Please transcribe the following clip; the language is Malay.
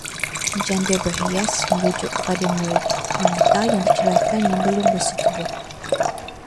Janda berhias merujuk kepada wanita yang diceraikan yang belum bersetubuh